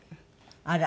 あら！